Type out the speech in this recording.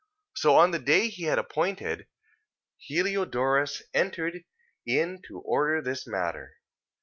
3:14. So on the day he had appointed, Heliodorus entered in to order this matter.